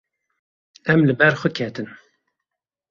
Em li ber xwe ketin.